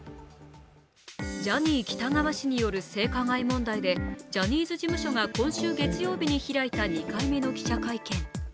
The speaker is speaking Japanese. ジャニー喜多川氏による性加害問題でジャニーズ事務所が今週月曜日に開いた２回目の記者会見。